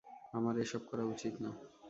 আমার এসব করা উচিত না।